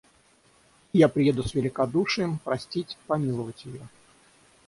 И я приеду с великодушием — простить, помиловать ее.